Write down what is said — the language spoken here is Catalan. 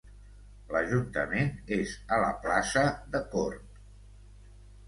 L'ajuntament és a la plaça de Cort.